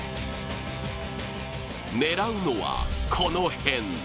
狙うのは、この辺。